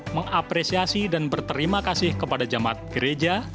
mengapresiasi dan berterima kasih kepada jemaat gereja